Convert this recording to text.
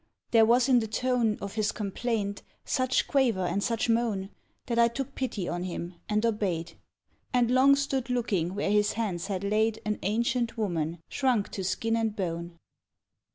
There was in the tone Of his complaint such quaver and such moan That I took pity on him and obeyed, And long stood looking where his hands had laid An ancient woman, shrunk to skin and bone.